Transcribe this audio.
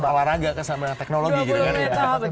enggak bukan olahraga kesana teknologi gitu kan